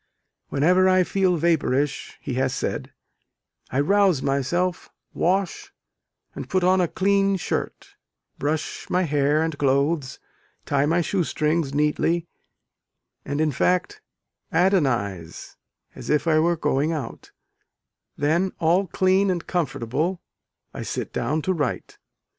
"Whenever I feel vapourish," he has said, "I rouse myself, wash, and put on a clean shirt; brush my hair and clothes, tie my shoe strings neatly, and in fact adonize as if I were going out: then, all clean and comfortable, I sit down to write."